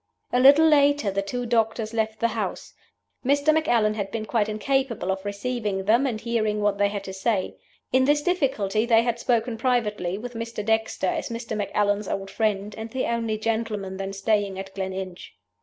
"A little later the two doctors left the house. Mr. Macallan had been quite incapable of receiving them and hearing what they had to say. In this difficulty they had spoken privately with Mr. Dexter, as Mr. Macallan's old friend, and the only gentleman then staying at Gleninch.